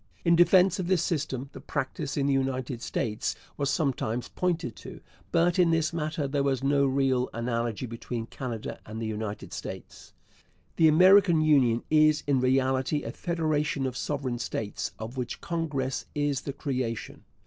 In defence of this system the practice in the United States was sometimes pointed to, but in this matter there was no real analogy between Canada and the United States. The American Union is in reality a federation of sovereign states, of which Congress is the creation.